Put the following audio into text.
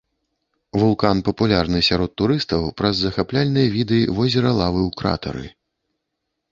Вулкан папулярны сярод турыстаў праз захапляльныя віды возера лавы ў кратары.